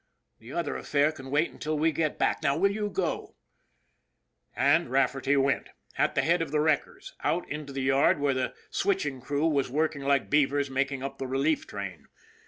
The other affair can wait until we get back. Now, will you go ?" And Rafferty went at the head of the wreckers out into the yard where the switching crew were working like beavers making up the relief train.